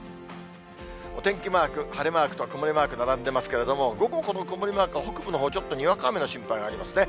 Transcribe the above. お天気マーク、晴れマークと曇りマーク並んでますけれども、午後この曇りマークは、北部でちょっとにわか雨の心配がありますね。